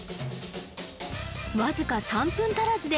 わずか３分足らずで